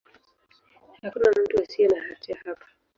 Hakuna mtu asiye na hatia hapa.